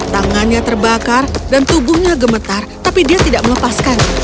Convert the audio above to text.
tangannya terbakar dan tubuhnya gemetar tapi dia tidak melepaskan